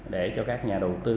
để cho các nhà đầu tư